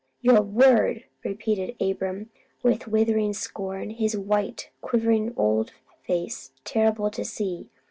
"Your word!" repeated Abram, with withering scorn, his white, quivering old face terrible to see.